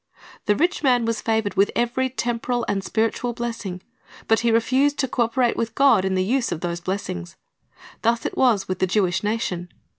"^ The rich man was favored with every temporal and spiritual blessing, but he refused to co operate with God in the use of these blessings. Thus it was with the Jewish nation.